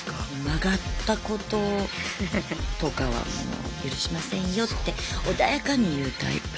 曲がったこととかは許しませんよって穏やかに言うタイプ。